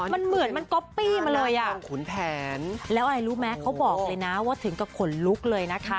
มันเหมือนมันก๊อปปี้มาเลยอ่ะขุนแผนแล้วอะไรรู้ไหมเขาบอกเลยนะว่าถึงกับขนลุกเลยนะคะ